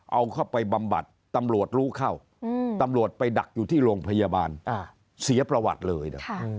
เอาเข้าไปบำบัดตำรวจรู้เข้าตำรวจไปดักอยู่ที่โรงพยาบาลเสียประวัติเลย